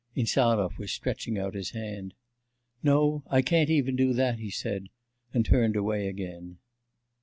Insarov was stretching out his hand. 'No, I can't even do that,' he said, and turned away again.